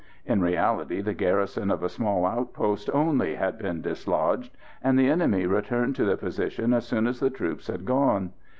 In reality the garrison of a small outpost only had been dislodged, and the enemy returned to the position as soon as the troops had gone.